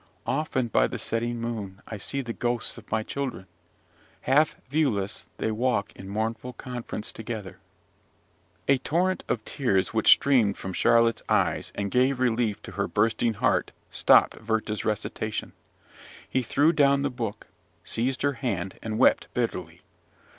"Often by the setting moon I see the ghosts of my children; half viewless they walk in mournful conference together." A torrent of tears which streamed from Charlotte's eyes and gave relief to her bursting heart, stopped Werther's recitation. He threw down the book, seized her hand, and wept bitterly.